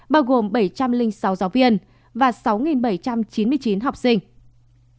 bao gồm bảy trăm linh sáu giáo viên và sáu bảy trăm chín mươi chín học sinh